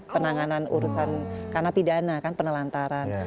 penanganan urusan karena pidana kan penelantaran